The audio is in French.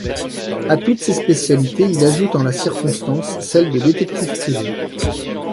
À toutes ces spécialités, il ajoute en la circonstance celle de détective privé.